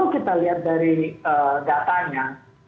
kita lihat dari datanya